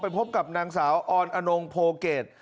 พบกับนางสาวออนอนงโพเกต